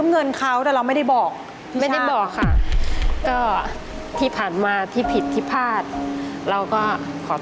ผงไม้ปะน้ำตาดค่า